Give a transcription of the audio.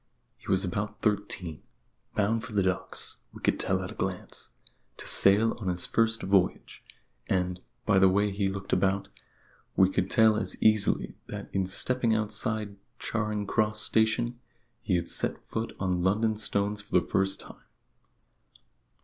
He was about thirteen; bound for the docks, we could tell at a glance, to sail on his first voyage; and, by the way he looked about, we could tell as easily that in stepping outside Charing Cross Station he had set foot on London stones for the first time.